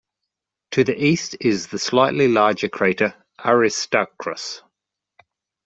To the east is the slightly larger crater Aristarchus.